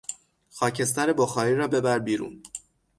خاکستر بخاری را ببر بیرون!